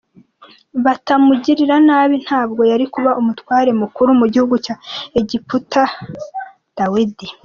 batamugirira nabi ntabwo yarikuba umutware mukuru mu gihugu cya Egiputa, Dawidi.